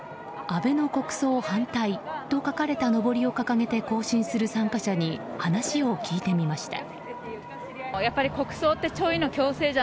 「安倍の国葬反対」と書かれたのぼりを掲げて行進する参加者に話を聞いてみました。